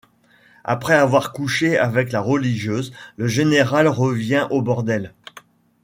Après avoir couché avec la religieuse, le général revient au bordel.